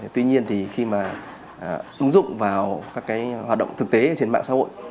tuy nhiên khi mà ứng dụng vào các hoạt động thực tế trên mạng xã hội